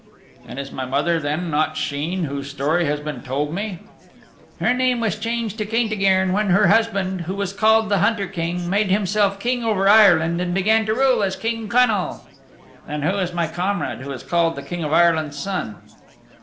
"And is my mother then not Sheen whose story has been told me?" "Her name was changed to Caintigern when her husband who was called the Hunter King made himself King over Ireland and began to rule as King Connal." "Then who is my comrade who is called the King of Ireland's Son?"